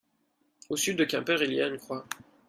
Au sud de Quimper il y a une croix.